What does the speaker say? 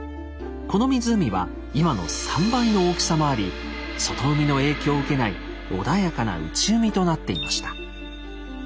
この湖は今の３倍の大きさもあり外海の影響を受けない穏やかな内海となっていました。